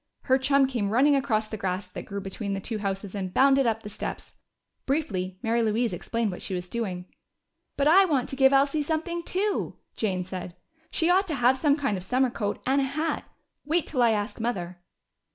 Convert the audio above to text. Her chum came running across the grass that grew between the two houses and bounded up the steps. Briefly Mary Louise explained what she was doing. "But I want to give Elsie something too," Jane said. "She ought to have some kind of summer coat and a hat. Wait till I ask Mother."